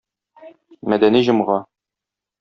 Мәдәни җомга.